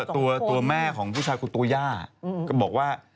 ตัวแม่ของผู้ชายคุณตัวย่าก็บอกว่า